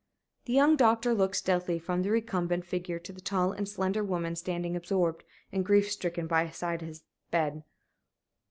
The young doctor looked stealthily from the recumbent figure to the tall and slender woman standing absorbed and grief stricken beside the bed.